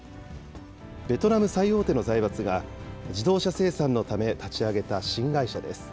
ベトナム最大手の財閥が自動車生産のため立ち上げた新会社です。